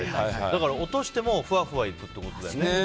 だから落としてもふわふわ行くってことだよね。